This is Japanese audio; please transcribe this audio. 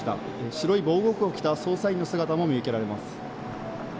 白い防護服を着た捜査員の姿も見受けられます。